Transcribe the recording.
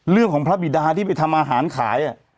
เรื่องของพระบิดาที่ไปทำอาหารขาย